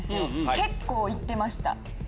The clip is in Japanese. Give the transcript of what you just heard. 結構行ってました。